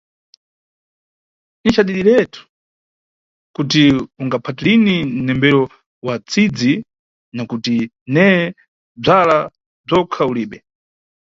Ni cadidiretu kuti ungaphate lini mnembero wa ntsidzi, nakuti neye bzala bzokha ulibe!